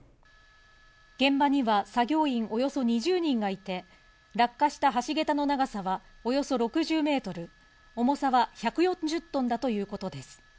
現場には作業員およそ２０人がいて、落下した橋桁の長さはおよそ６０メートル、重さは１４０トンだということです。